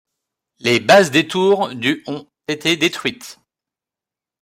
Les bases des tours du ont été détruites.